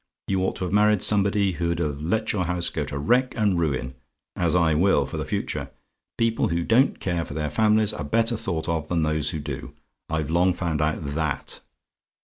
You ought to have married somebody who'd have let your house go to wreck and ruin, as I will for the future. People who don't care for their families are better thought of than those who do; I've long found out THAT.